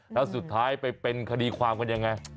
แล้วสุดท้ายไปเป็นคดีความกันยังไง